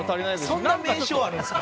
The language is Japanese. そんな名称あるんすか？